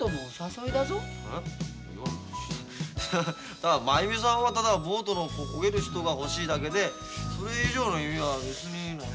ただ真弓さんはただボートのこげる人が欲しいだけでそれ以上の意味は別にない。